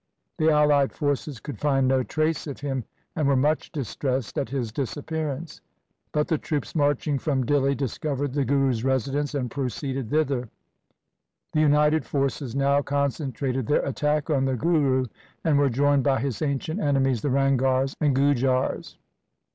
The allied forces could find no trace of him, and were much distressed at his disappearance. But the troops marching from Dihli discovered the Guru's residence and LIFE OF GURU GOBIND SINGH 187 proceeded thither. The united forces now con centrated their attack on the Guru and were joined by his ancient enemies the Ranghars and Gujars.